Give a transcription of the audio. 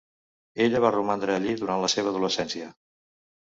Ella va romandre allí durant la seva adolescència.